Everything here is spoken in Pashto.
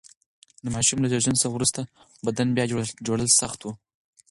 د ماشوم له زېږون وروسته بدن بیا جوړول سخت و.